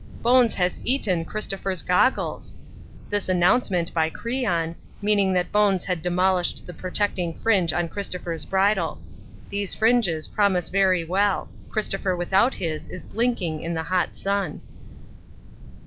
'Bones has eaten Christopher's goggles.' This announcement by Crean, meaning that Bones had demolished the protecting fringe on Christopher's bridle. These fringes promise very well Christopher without his is blinking in the hot sun.